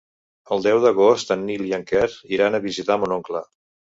El deu d'agost en Nil i en Quer iran a visitar mon oncle.